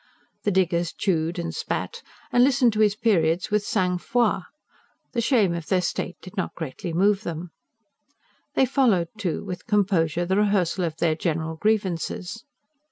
The diggers chewed and spat, and listened to his periods with sang froid: the shame of their state did not greatly move them. They followed, too, with composure, the rehearsal of their general grievances.